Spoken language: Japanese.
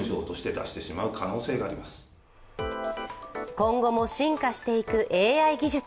今後も進化していくＡＩ技術。